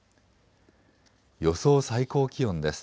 予想最高気温です。